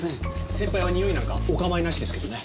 先輩はにおいなんかお構いなしですけどね。